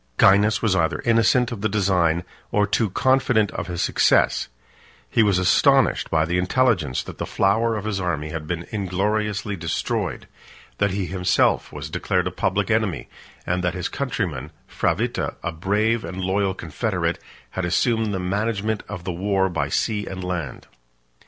Gainas was either innocent of the design, or too confident of his success; he was astonished by the intelligence that the flower of his army had been ingloriously destroyed; that he himself was declared a public enemy; and that his countryman, Fravitta, a brave and loyal confederate, had assumed the management of the war by sea and land.